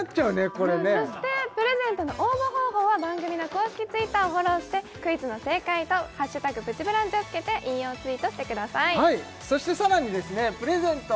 これねそしてプレゼントの応募方法は番組の公式Ｔｗｉｔｔｅｒをフォローしてクイズの正解と「＃プチブランチ」をつけて引用ツイートしてくださいそしてさらにですねプレゼント